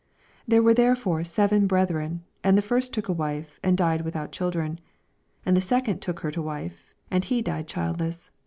29 There were therefore seven brethren : and the first took a wife^ and died without children. 80 And the second took her to wife, and he died childless.